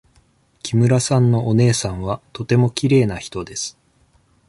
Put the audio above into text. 木村さんのお姉さんはとてもきれいな人です。